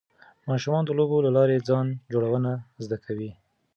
ماشومان د لوبو له لارې ځان جوړونه زده کوي.